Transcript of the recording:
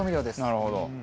なるほど。